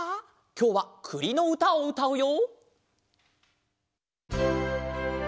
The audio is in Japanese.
きょうはくりのうたをうたうよ。